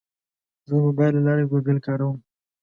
زه د موبایل له لارې ګوګل کاروم.